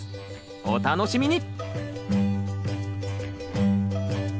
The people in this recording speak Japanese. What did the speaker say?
お楽しみに！